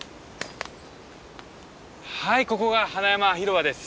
はいここが花山広場です。